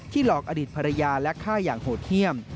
หลอกอดีตภรรยาและฆ่าอย่างโหดเยี่ยม